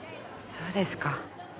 そうですか。